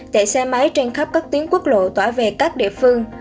chạy xe máy trên khắp các tuyến quốc lộ tỏa về các địa phương